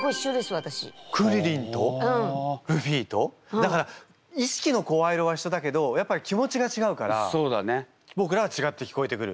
だからいしきの声色は一緒だけどやっぱり気持ちが違うからぼくらは違って聞こえてくる。